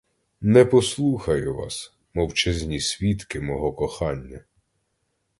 Не послухаю вас, мовчазні свідки мого кохання!